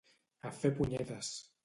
A fer punyetes